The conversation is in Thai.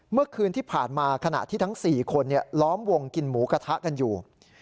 เมื่อคืนที่ผ่านมาขณะที่ทั้ง๔คนล้อมวงกินหมูกระทะกันอยู่